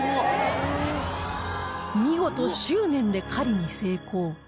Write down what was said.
見事執念で狩りに成功